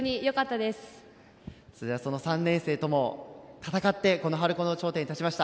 では、その３年生とも戦ってこの春高の頂点に立ちました。